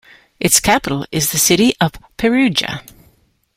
Its capital is the city of Perugia.